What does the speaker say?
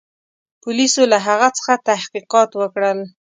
پولیسو له هغه څخه تحقیقات وکړل.